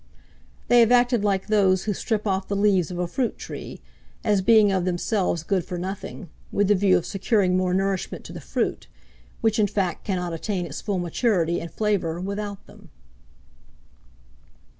They have acted like those who strip off the leaves of a fruit tree, as being of themselves good for nothing, with the view of securing more nourishment to the fruit, which in fact cannot attain its full maturity and flavour without them.'